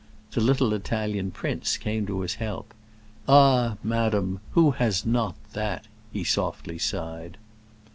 The little Italian prince came to his help: "Ah, madam, who has not that?" he softly sighed.